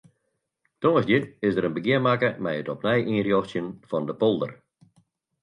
Tongersdei is in begjin makke mei it opnij ynrjochtsjen fan de polder.